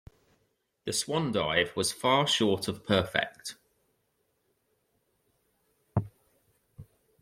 The swan dive was far short of perfect.